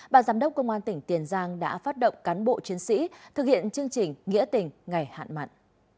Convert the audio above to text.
bà giám đốc công an tỉnh tiền giang đã phát động cán bộ chiến sĩ thực hiện chương trình nghĩa tình ngày hạn mặn